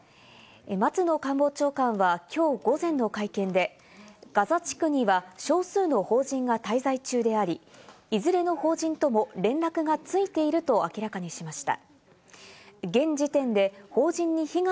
松野官房長官はきょう午前の会見で、松野官房長官は、ガザ地区には少数の邦人が滞在中であり、いずれの邦人とも連絡がついていると明らかにしました。